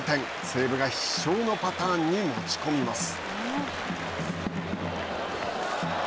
西武が必勝のパターンに持ち込みます。